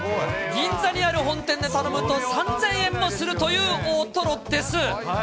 銀座にある本店で頼むと３０００円もするという大トロです。